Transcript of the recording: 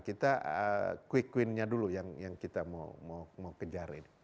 kita quick win nya dulu yang kita mau kejarin